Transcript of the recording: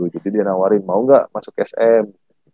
jadi dia nawarin mau gak masuk sm